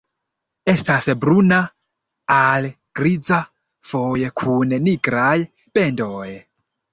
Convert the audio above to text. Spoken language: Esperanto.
Estas bruna al griza, foje kun nigraj bendoj.